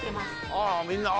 ああみんなああ！